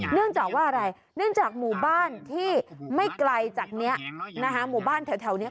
เนื่องจากว่าอะไรเนื่องจากหมู่บ้านที่ไม่ไกลจากนี้นะคะหมู่บ้านแถวนี้